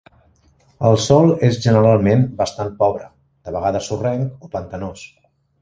El sòl és generalment bastant pobre, de vegades sorrenc o pantanós.